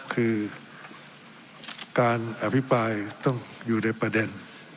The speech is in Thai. คือการอภิปรายต้องอยู่ในประเด็น